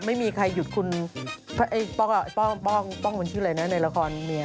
ไม่มีใครหยุดคุณป้องมันชื่ออะไรนะในละครเมีย